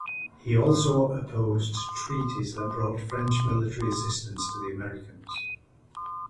He also opposed treaties that brought French military assistance to the Americans.